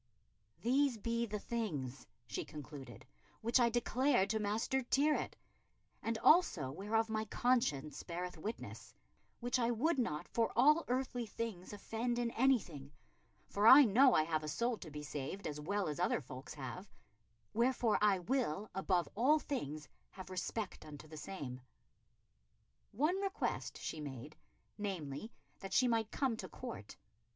"These be the things," she concluded, "which I declared to Master Tyrwhitt, and also whereof my conscience beareth witness, which I would not for all earthly things offend in anything, for I know I have a soul to be saved as well as other folks have; wherefore I will, above all things, have respect unto the same." One request she made, namely, that she might come to Court.